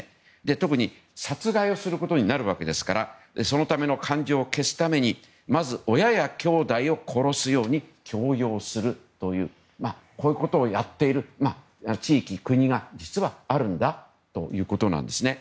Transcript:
特に、殺害をすることになるわけですからそのための感情を消すためにまず親や兄弟を殺すように強要するというこういうことをやっている地域、国が実はあるんだということですね。